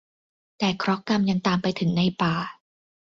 แต่เคราะห์กรรมยังตามไปถึงในป่า